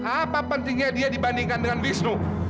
apa pentingnya dia dibandingkan dengan bistro